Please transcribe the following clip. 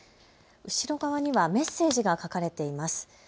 後ろ側にはメッセージが書かれています。